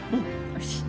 よし。